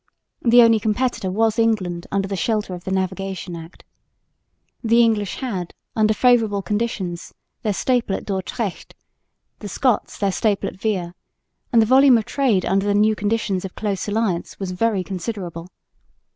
The only competitor was England under the shelter of the Navigation Act. The English had, under favourable conditions, their staple at Dordrecht, the Scots their staple at Veere; and the volume of trade under the new conditions of close alliance was very considerable.